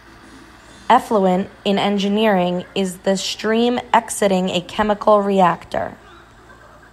Effluent, in engineering, is the stream exiting a chemical reactor.